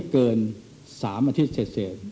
เกิน๓อาทิตย์เศษ